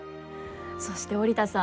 そして織田さん